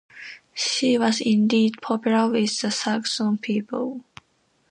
She was indeed popular with the Saxon people.